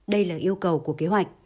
đây là yêu cầu của kế hoạch